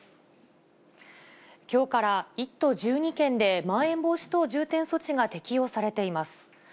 きょうから１都１２県でまん延防止等重点措置が適用されています。